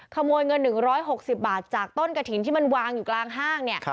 ขโมยเงิน๑๖๐บาทจากต้นกระถิ่นที่มันวางอยู่กลางห้างเนี่ย